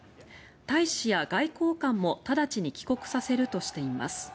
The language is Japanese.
大使や外交官も直ちに帰国させるとしています。